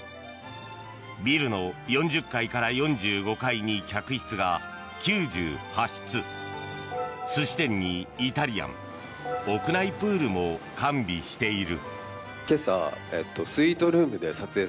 ビルの４０階から４５階に客室が９８室寿司店にイタリアン屋内プールも完備している。